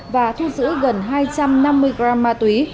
và thu giữ gần hai trăm năm mươi gram ma túy